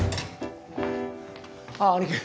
ああ兄貴